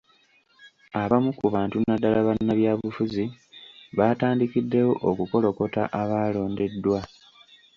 Abamu ku bantu naddala bannabyabufuzi baatandikiddewo okukolokota abaalondeddwa.